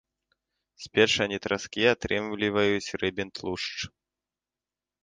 З печані траскі атрымліваюць рыбін тлушч.